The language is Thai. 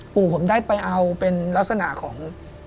ปู่ผมได้ไปเอาเป็นลักษณะของ